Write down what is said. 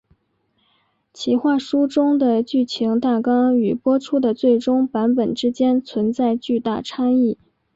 企划书中的剧情大纲与播出的最终版本之间存在巨大差异。